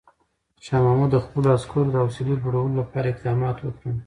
شاه محمود د خپلو عسکرو حوصله لوړولو لپاره اقدامات وکړل.